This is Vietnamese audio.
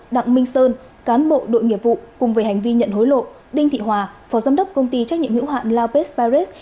đặng minh sơn cán bộ đội nghiệp vụ cùng về hành vi nhận hối lộ đinh thị hòa phó giám đốc công ty trách nhiệm hữu hạn laupes paris